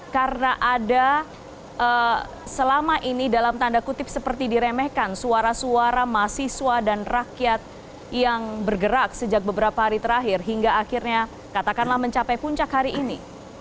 karena ada selama ini dalam tanda kutip seperti diremehkan suara suara mahasiswa dan rakyat yang bergerak sejak beberapa hari terakhir hingga akhirnya katakanlah mencapai puncak hari ini